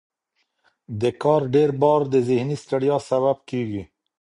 د کار ډیر بار د ذهني ستړیا سبب کېږي.